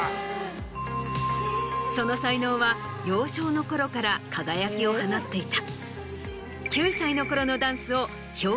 その才能は幼少の頃から輝きを放っていた。